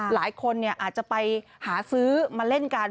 หลายคนอาจจะไปหาซื้อมาเล่นกัน